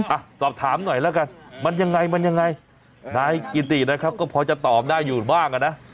อ่ะสอบถามหน่อยแล้วกันมันยังไงมันยังไงนายกิตินะครับก็พอจะตอบได้อยู่บ้างอ่ะนะ